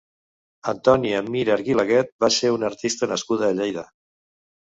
Antònia Mir Arguilaguet va ser una artista nascuda a Lleida.